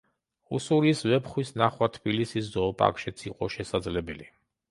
უსურიის ვეფხვის ნახვა თბილისის ზოოპარკშიც იყო შესაძლებელი.